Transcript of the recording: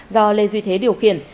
do lê duy thế điều khiển